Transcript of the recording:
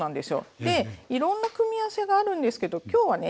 ええ。でいろんな組み合わせがあるんですけど今日はね